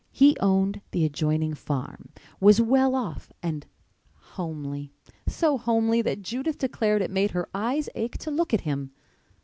He owned the adjoining farm, was well off and homely—so homely that Judith declared it made her eyes ache to look at him.